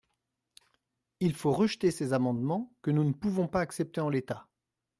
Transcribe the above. Il faut rejeter ces amendements que nous ne pouvons pas accepter en l’état.